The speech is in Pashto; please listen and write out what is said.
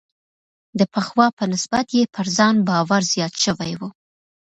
د پخوا په نسبت یې پر ځان باور زیات شوی و.